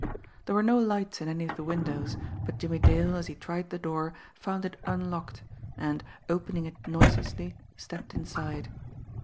There were no lights in any of the windows, but Jimmie Dale, as he tried the door, found it unlocked, and, opening it noiselessly, stepped inside.